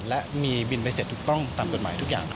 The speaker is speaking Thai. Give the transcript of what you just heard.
และมีบินไปเสร็จถูกต้องตามกฎหมายทุกอย่าง